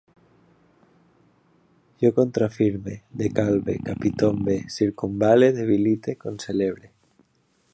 Jo contrafirme, decalve, capitombe, circumval·le, debilite, concelebre